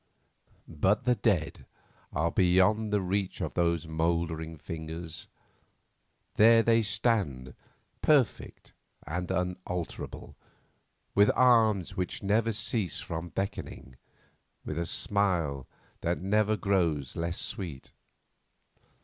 But the dead are beyond the reach of those mouldering fingers. There they stand, perfect and unalterable, with arms which never cease from beckoning, with a smile that never grows less sweet.